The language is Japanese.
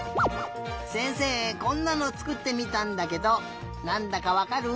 せんせいこんなのつくってみたんだけどなんだかわかる？